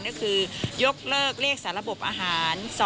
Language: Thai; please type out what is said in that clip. ก็คือยกเลิกเลขสาระบบอาหาร